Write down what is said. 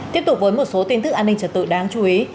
tiếp tục với một số tin tức an ninh trật tự đáng chú ý